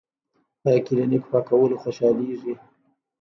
پۀ کلینک پاکولو خوشالیږي ـ